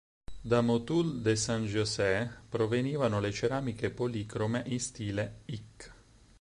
Da Motul de San José provenivano le ceramiche policrome in stile Ik.